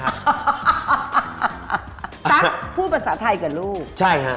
ตั๊กพูดภาษาไทยกับลูกใช่ฮะ